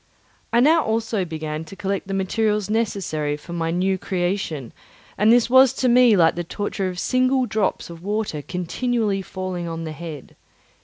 I now also began to collect the materials necessary for my new creation, and this was to me like the torture of single drops of water continually falling on the head.